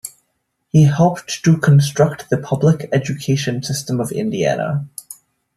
He helped to construct the public education system of Indiana.